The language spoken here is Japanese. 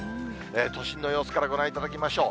都心の様子からご覧いただきましょう。